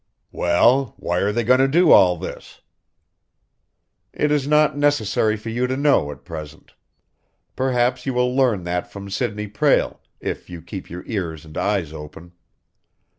"Well, why are they goin' to do all this?" "It is not necessary for you to know at present. Perhaps you will learn that from Sidney Prale, if you keep your ears and eyes open.